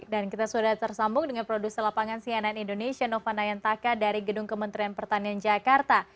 dan kita sudah tersambung dengan produser lapangan cnn indonesia nova nayantaka dari gedung kementerian pertanian jakarta